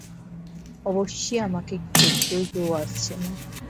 অবশ্যি আমাকে দেখতেও কেউ আসছে না ।